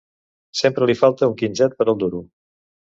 Sempre li falta un quinzet per al duro.